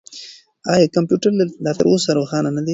آیا کمپیوټر لا تر اوسه روښانه دی؟